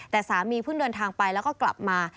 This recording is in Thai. แต่สามีเพิ่งเดินทางไปแล้วก็กลับมา